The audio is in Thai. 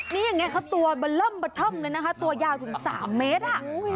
นี่ยังไงคะตัวตัวยาวถึง๓เมตร